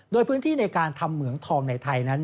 โดยพื้นที่ในการทำเหมืองทองในไทยนั้น